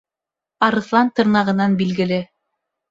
Арыҫлан тырнағынан билгеле.